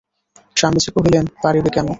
স্বামীজি কহিলেন, পারিবে কেন?